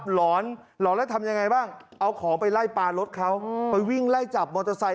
หลอนหลอนแล้วทำยังไงบ้างเอาของไปไล่ปลารถเขาไปวิ่งไล่จับมอเตอร์ไซค